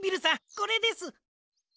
これです。